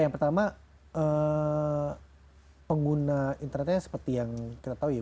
yang pertama pengguna internetnya seperti yang kita tahu ya